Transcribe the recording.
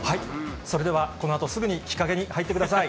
それではこのあとすぐに日陰に入ってください。